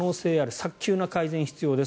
早急な改善が必要です。